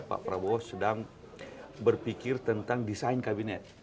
pak prabowo sedang berpikir tentang desain kabinet